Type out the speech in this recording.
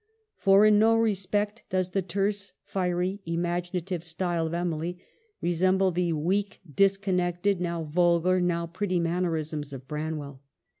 For in no respect does the terse, fiery, imaginative style of Emily resemble the weak, disconnected, now vulgar, now pretty mannerisms of Branwell.